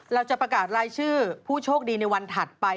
เราจะประกาศรายชื่อผู้โชคดีในวันถัดไป